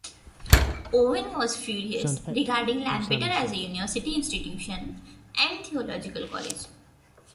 Owen was furious, regarding Lampeter as a university institution "and" theological college.